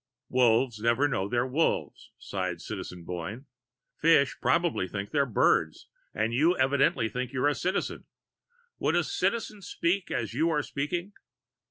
"Wolves never know they're Wolves," sighed Citizen Boyne. "Fish probably think they're birds and you evidently think you're a Citizen. Would a Citizen speak as you are speaking?"